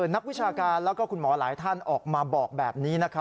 นักวิชาการแล้วก็คุณหมอหลายท่านออกมาบอกแบบนี้